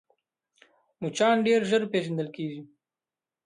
مچان ډېر ژر پېژندل کېږي